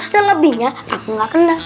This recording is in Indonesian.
selebihnya aku nggak kenal